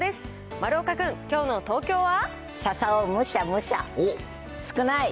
丸岡君、きょうの東京は？